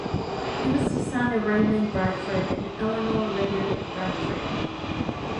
He was the son of Raymond Bradford and Eleanor Ritter Bradford.